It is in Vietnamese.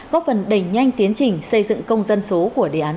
góp phần đẩy nhanh tiến trình xây dựng công dân số của đề án